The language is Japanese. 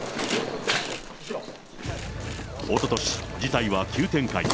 おととし、事態は急展開。